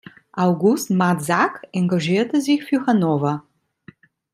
August Madsack engagierte sich für Hannover.